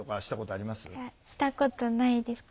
いやしたことないです。